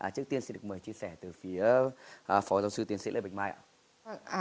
trước tiên xin được mời chia sẻ từ phía phó giáo sư tiến sĩ lê bạch mai ạ